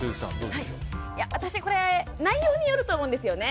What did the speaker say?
私、これ内容によると思うんですよね。